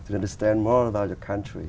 nên chúng ta phải luôn cố gắng ở trên